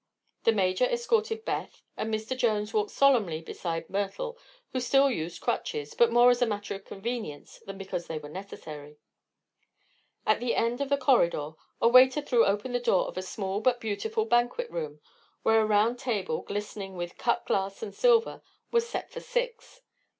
The Major escorted Beth and Mr. Jones walked solemnly beside Myrtle, who still used crutches, but more as a matter of convenience than because they were necessary. At the end of a corridor a waiter threw open the door of a small but beautiful banquet room, where a round table, glistening with cut glass and silver, was set for six.